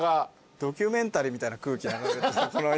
ドキュメンタリーみたいな空気狙ってる時間。